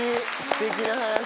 すてきな話！